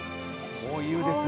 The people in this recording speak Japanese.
こういうですね